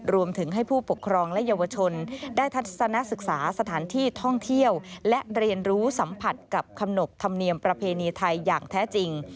รวมถึงให้ผู้ปกครองและเยาวชนได้ทัศนศึกษาสถานที่ท่องเที่ยวและเรียนรู้สัมผัสกับขนบธรรมเนียมประเพณีไทยอย่างแท้จริง